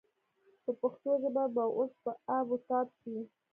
د پښتو ژبه به اوس په آب و تاب شي.